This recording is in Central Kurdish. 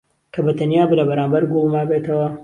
که بهتهنیا له بهرامبهر گۆڵ مابێتهوه